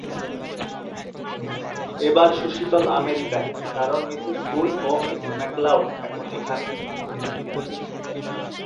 এবার সুশীতল আমেরিকায়, কারণ মিসেস বুল ও মিস ম্যাকলাউড এখন এখানে।